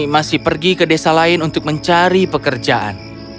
masih pergi ke desa lain untuk mencari pekerjaan